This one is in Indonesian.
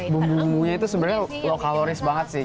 bumbu bumbunya itu sebenarnya low caloris banget sih